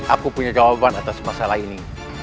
aku punya jawaban atas masalah ini